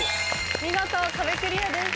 見事壁クリアです。